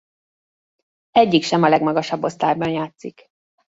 Egyik sem a legmagasabb osztályban játszik.